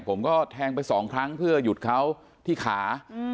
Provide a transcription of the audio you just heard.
ผมก็แทงไปสองครั้งเพื่อหยุดเขาที่ขา